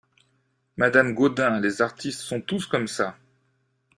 Madame Gaudin Les artistes sont tous comme ça !